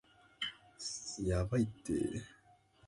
He won a sensational, albeit narrow, victory.